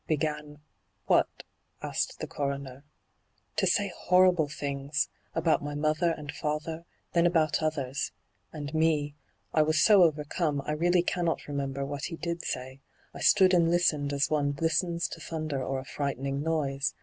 *' Began — what V aeked the coroner. ' To say horrible things — about my mother and father — then about others — and me. I was so overcome, I really cannot remember what he did say. I stood and listened as one listens to thunder or a frightening noise.